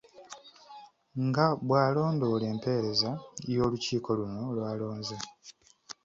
Nga bwalondoola empeereza y’olukiiko luno lwalonze.